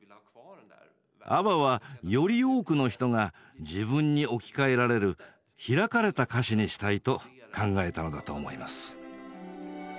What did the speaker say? ＡＢＢＡはより多くの人が自分に置き換えられる開かれた歌詞にしたいと考えたのだと思います。